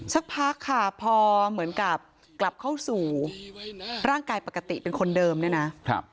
สักพักค่ะพอเหมือนกับกลับเข้าสู่ร่างกายปกติเป็นคนเดิมเนี่ยนะครับ